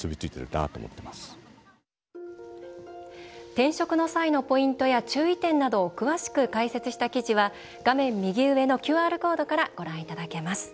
転職の際のポイントや注意点などを詳しく解説した記事は画面右上のＱＲコードからご覧いただけます。